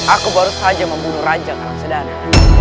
aku baru saja membunuh raja arab sedana